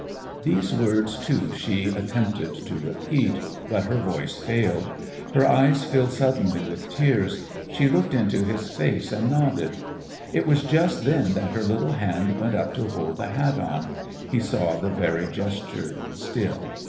These words, too, she attempted to repeat, but her voice failed, her eyes filled suddenly with tears; she looked into his face and nodded. It was just then that her little hand went up to hold the hat on he saw the very gesture still.